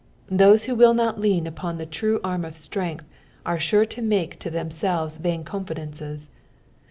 Those who will not lean upon the true arm of etrenrth, are sure to make to themselves vain conBdences.